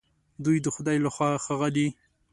دوی د خدای له خوا ښاغلي